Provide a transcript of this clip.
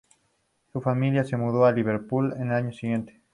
Su familia se mudó a Liverpool al año siguiente.